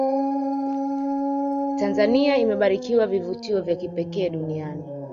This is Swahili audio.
tanzania imebarikiwa vivutio vya kipekee duniani